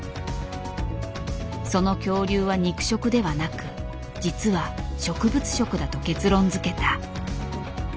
その恐竜は肉食ではなく実は植物食だと結論づけた。